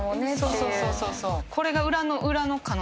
そうそうそうそうそう。